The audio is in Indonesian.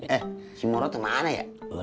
eh si muro kemana ya